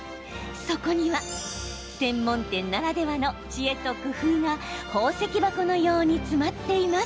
そこには専門店ならではの知恵と工夫が宝石箱のように詰まっています。